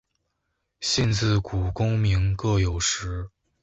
信自古功名各有时。